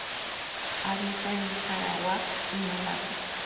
Habita en Sarawak y Malasia.